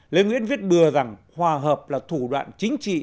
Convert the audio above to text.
lê nguyễn viết bừa rằng hòa hợp là thủ đoạn chính trị